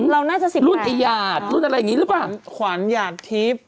เราน่าจะสิบรุ่นอีหยาดรุ่นอะไรอย่างนี้หรือเปล่าขวัญหยาดทิพย์